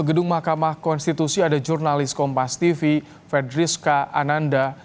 pekedung mahkamah konstitusi ada jurnalis kompas tv fed rizka ananda